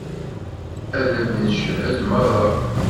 Ad d-ncehhed merra.